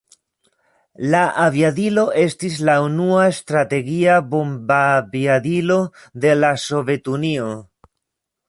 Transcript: La aviadilo estis la unua strategia bombaviadilo de la Sovetunio.